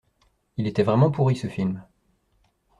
Il était vraiment pourri ce film.